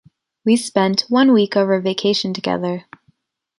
We spent, one week of our vacation together.